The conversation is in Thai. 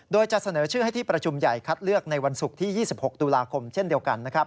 โดยจะเสนอชื่อให้ที่ประชุมใหญ่คัดเลือกในวันศุกร์ที่๒๖ตุลาคมเช่นเดียวกัน